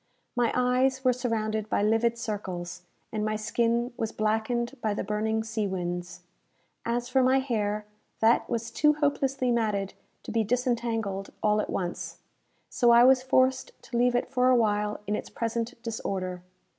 My eyes were surrounded by livid circles, and my skin was blackened by the burning sea winds. As for my hair, that was too hopelessly matted to be disentangled all at once; so I was forced to leave it for awhile in its present disorder.